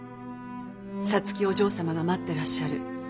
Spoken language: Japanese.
「皐月お嬢様が待ってらっしゃる。